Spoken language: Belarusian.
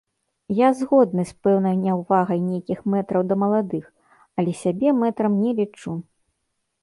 Я згодны з пэўнай няўвагай нейкіх мэтраў да маладых, але сябе мэтрам не лічу.